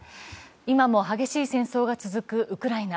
今も激しい戦争が続くウクライナ。